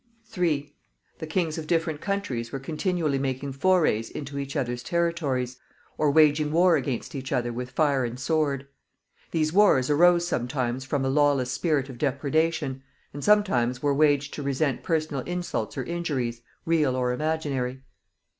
3. The kings of different countries were continually making forays into each other's territories, or waging war against each other with fire and sword. These wars arose sometimes from a lawless spirit of depredation, and sometimes were waged to resent personal insults or injuries, real or imaginary.